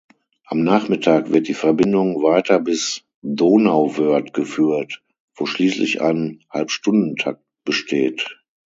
Am Nachmittag wird die Verbindung weiter bis Donauwörth geführt, wo schließlich ein Halbstundentakt besteht.